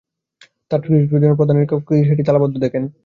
তাঁরা টিকিট ক্রয়ের জন্য স্টেশনের প্রধান কক্ষে গিয়ে সেটি তালাবদ্ধ দেখেন।